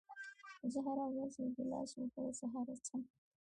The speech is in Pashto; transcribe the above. زه هره ورځ یو ګیلاس اوبه له سهاره څښم.